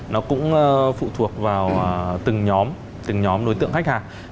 nó cũng phụ thuộc vào từng nhóm từng nhóm đối tượng khách hàng